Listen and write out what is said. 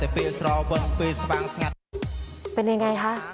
เป็นยังไงคะ